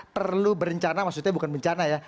perlu berencana maksudnya bukan bencana ya